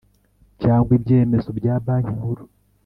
cyangwa ibyemezo bya Banki Nkuru